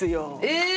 え！